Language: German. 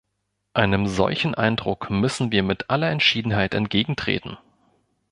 Einem solchen Eindruck müssen wir mit aller Entschiedenheit entgegentreten!